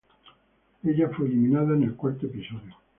Ella fue eliminada en el cuarto episodio.